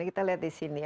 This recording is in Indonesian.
kita lihat di sini